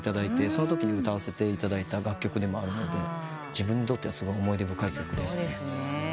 そのときに歌わせていただいた楽曲でもあるので自分にとってはすごい思い出深い曲です。